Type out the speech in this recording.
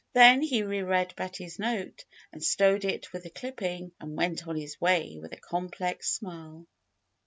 Then he re read Betty's note, and stowed it with the clipping, and went on his way with a complex smile.